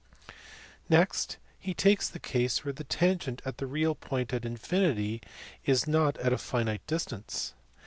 Next he takes the case where the tangent at the real point at infinity is not at a finite distance.